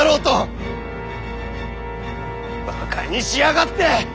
ばかにしやがって！